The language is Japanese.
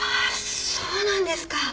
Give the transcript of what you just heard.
そうなんですか。